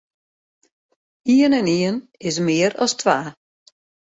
Ien en ien is mear as twa.